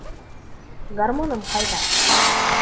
Гармуным ҡайҙа?